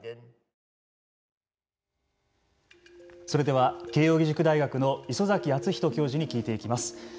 それでは慶應義塾大学の礒崎敦仁教授に聞いていきます。